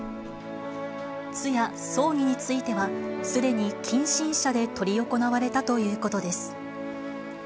通夜・葬儀については、すでに近親者で執り行われたということです。